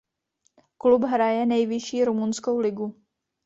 Klub hraje nejvyšší rumunskou ligu.